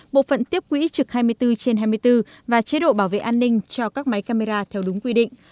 bộ phận tiếp quỹ trực hai mươi bốn trên hai mươi bốn và chế độ bảo vệ an ninh cho các máy camera theo đúng quy định